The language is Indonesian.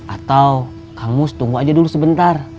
atau kang mus tunggu aja dulu sebentar